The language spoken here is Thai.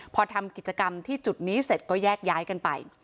พอทำกิจกรรมที่จุดนี้เสร็จก็แยกย้ายกันไป